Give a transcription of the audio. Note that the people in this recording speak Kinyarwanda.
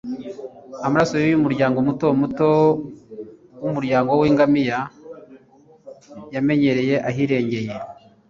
Amaraso yuyu muryango muto muto wumuryango wingamiya yamenyereye ahirengeye